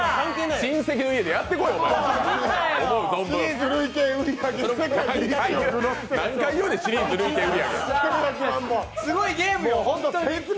親戚の家でやってこい、思う存分。